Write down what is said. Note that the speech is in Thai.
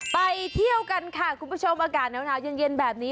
ไปเที่ยวกันค่ะคุณผู้ชมอากาศหนาวเย็นแบบนี้